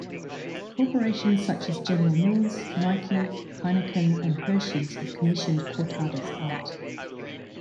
Corporations such as General Mills, Nike, Heineken and Hershey's have commissioned Cortada's art.